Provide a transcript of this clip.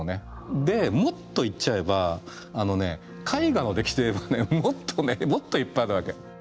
でもっと言っちゃえば絵画の歴史で言えばもっとねもっといっぱいあるわけ。